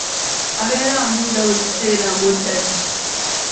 Abeera ambuuza buli kiseera mbu odda ddi?